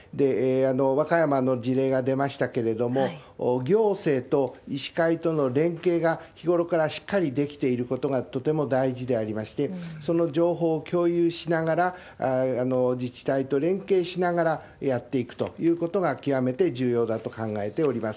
和歌山の事例が出ましたけれども、行政と医師会との連携が日頃からしっかりできていることがとても大事でありまして、その情報を共有しながら、自治体と連携しながらやっていくということが極めて重要だと考えております。